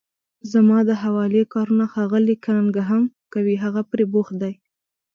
زما د حوالې کارونه ښاغلی کننګهم کوي، هغه پرې بوخت دی.